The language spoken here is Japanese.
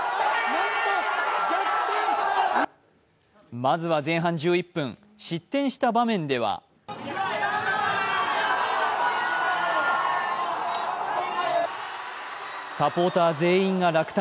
まずは前半１１分、失点した場面ではサポーター全員が落胆。